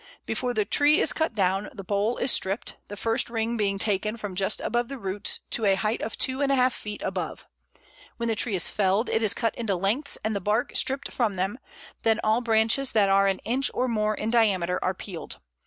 Before the tree is cut down the bole is stripped, the first ring being taken from just above the roots to a height of two and a half feet above. When the tree is felled, it is cut into lengths and the bark stripped from them; then all branches that are an inch or more in diameter are peeled.